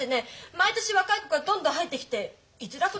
毎年若い子がどんどん入ってきていづらくなるのよ。